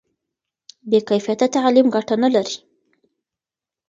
بې کیفیته تعلیم ګټه نه لري.